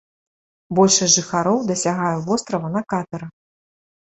Большасць жыхароў дасягае вострава на катарах.